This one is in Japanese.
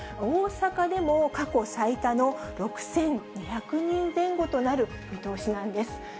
大阪でも過去最多の６２００人前後となる見通しなんです。